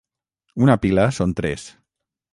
Una pila són tres.